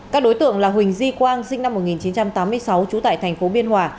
các đối tượng là huỳnh di quang sinh năm một nghìn chín trăm tám mươi sáu trú tại tp biên hòa